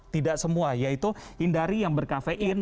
tidak semua yaitu hindari yang berkafein